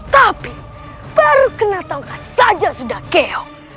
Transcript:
tapi baru kena tau kan saja sudah keok